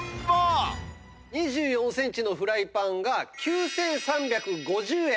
２４センチのフライパンが９３５０円。